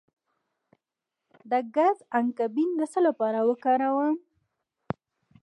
د ګز انګبین د څه لپاره وکاروم؟